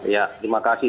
ya terima kasih